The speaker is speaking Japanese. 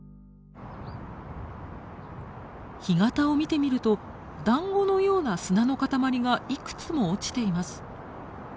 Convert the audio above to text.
干潟を見てみるとだんごのような砂の塊がいくつも落ちています。